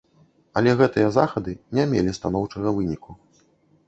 Але гэтыя захады не мелі станоўчага выніку.